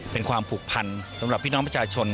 เป็นความผูกพันสำหรับพี่น้องประชาชน